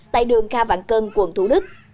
tại đường kha vạn cân quận thủ đức